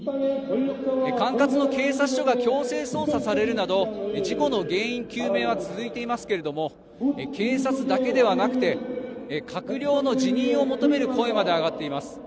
管轄の警察署が強制捜査されるなど事故の原因究明は続いていますけども警察だけではなくて閣僚の辞任を求める声まで上がっています。